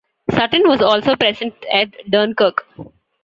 "Sutton" was also present at Dunkirk.